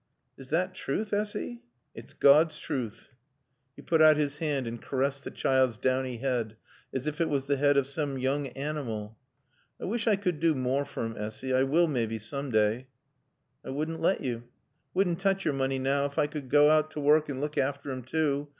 "Is thot truth, Essy?" "It's Gawd's truth." He put out his hand and caressed the child's downy head as if it was the head of some young animal. "I wish I could do more fer 'im, Essy. I will, maaybe, soom daay." "I wouldn' lat yo'. I wouldn' tooch yo're mooney now ef I could goa out t' wark an' look affter 'im too.